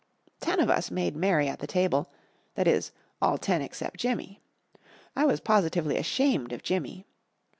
Ten of us made merry at the table that is, all ten except Jimmy. I was positively ashamed of Jimmy.